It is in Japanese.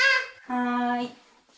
はい。